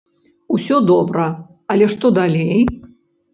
Усё добра, але што далей?